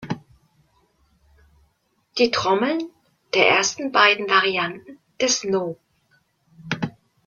Die Trommeln der ersten beiden Varianten des No.